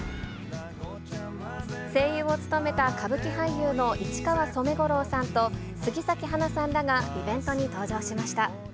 声優を務めた歌舞伎俳優の市川染五郎さんと、杉咲花さんらがイベントに登場しました。